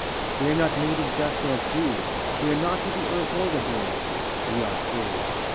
We are not made of dust or of dew; We are not of the earth or the blue: We are free.